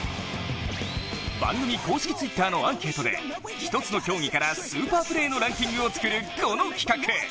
番組公式Ｔｗｉｔｔｅｒのアンケートで１つの競技からスーパープレーのランキングを作る、この企画。